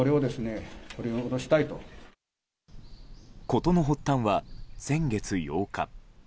事の発端は先月８日。